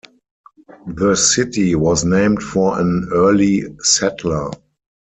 The city was named for an early settler.